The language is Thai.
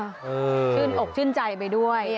ชื่นอกชื่นใจไปด้วย